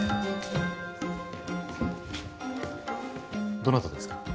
どなたですか？